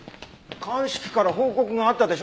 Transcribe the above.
鑑識から報告があったでしょ？